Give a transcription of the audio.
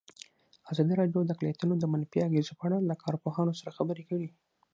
ازادي راډیو د اقلیتونه د منفي اغېزو په اړه له کارپوهانو سره خبرې کړي.